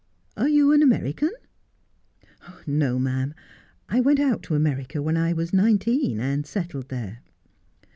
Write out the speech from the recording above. Are you an American 1 '' No, ma'am ; I went out to America when I was nineteen, and married and settled there.'